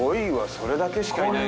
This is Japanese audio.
それだけしかいないんすね。